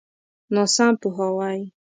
ناسم پوهاوی.